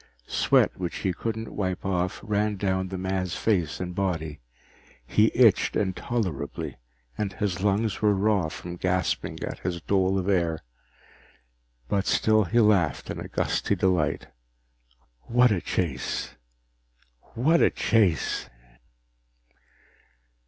Sweat which he couldn't wipe off ran down the man's face and body. He itched intolerably, and his lungs were raw from gasping at his dole of air. But still he laughed in gusty delight. What a chase! What a chase!